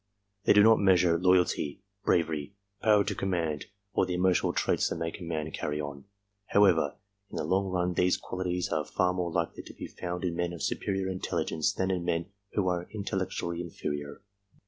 They do not measure loyalty, bravery, power to command, or the emotional traits that make a man "carry on." However, in the long run these qualities are far more likely to be found ; in men of superior intelligence than in men who are intellectually ^ ^inferior.